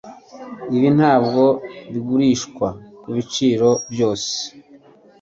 ibi ntabwo bigurishwa kubiciro byose